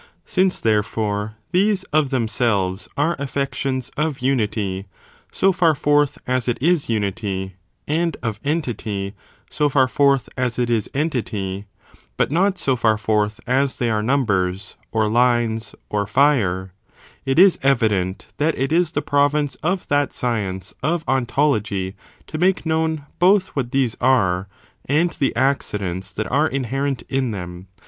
Since, therefore, these of themselves are affections of unity, so fer forth as it is unity, and of entity, so far forth as it is entity, but not so far forth as they are numbers, I or lines, or fire, it is evident, that it is the province of that science of ontology to make known both what these are, and the accidents that are inherent in them.